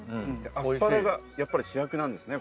アスパラがやっぱり主役なんですね。